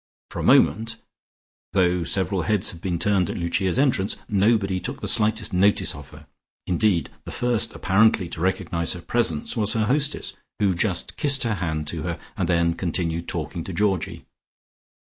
For a moment, though several heads had been turned at Lucia's entrance, nobody took the slightest notice of her, indeed, the first apparently to recognize her presence was her hostess, who just kissed her hand to her, and then continued talking to Georgie.